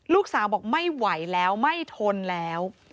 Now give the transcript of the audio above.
ลูกสาวบอกไม่ไหวแล้วไม่ทนแล้ว